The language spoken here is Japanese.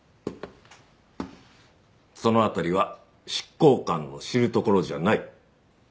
その辺りは執行官の知るところじゃない。